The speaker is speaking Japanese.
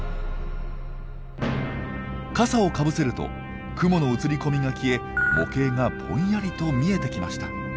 傘をかぶせると雲の映り込みが消え模型がぼんやりと見えてきました。